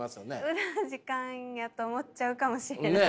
無駄な時間やと思っちゃうかもしれない。